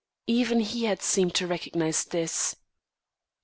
Even he had seemed to recognise this.